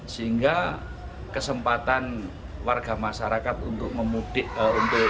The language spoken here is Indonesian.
sehingga kesempatan warga masyarakat untuk pulang mudik itu sudah dimulai